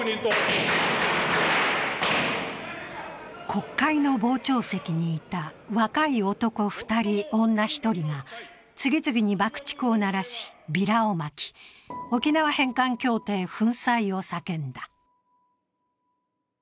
国会の傍聴席にいた若い男２人、女１人が次々に爆竹を鳴らしビラをまき、沖縄返還協定粉砕を叫んだ。